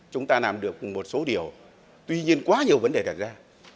chúng ta làm được một số điều tuy nhiên quá nhiều vấn đề đặt ra